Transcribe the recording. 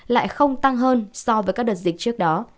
lại không tăng hơn so với các đợt dịch trước đó